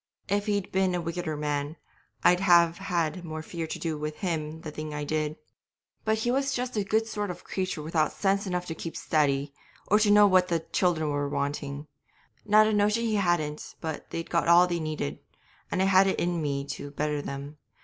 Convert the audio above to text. If he'd been a wickeder man I'd have had more fear to do with him the thing I did. But he was just a good sort of creature without sense enough to keep steady, or to know what the children were wanting; not a notion he hadn't but that they'd got all they needed, and I had it in me to better them.